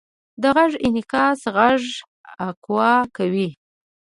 د غږ انعکاس غږ اکو کوي.